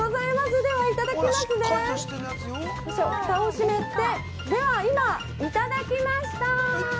では、ふたを閉めてでは、今、いただきました。